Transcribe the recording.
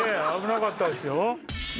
危なかったですよ。